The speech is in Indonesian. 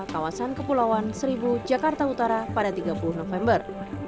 kawasan kepulauan seribu jakarta utara pada tiga puluh november